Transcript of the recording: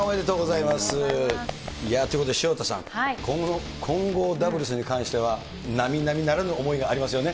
いやぁ、ということで潮田さん、混合ダブルスに関しては並々ならぬ思いがありますよね。